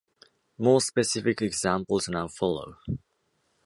More specific examples now follow.